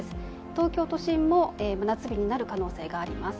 東京都心も真夏日になる可能性があります。